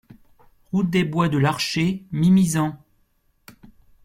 Route des Bois de Larchets, Mimizan